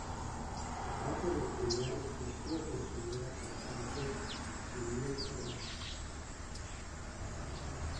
Se trata del primer registro con su nueva cantante, Julieta Laso.